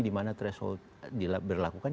dimana threshold berlakukan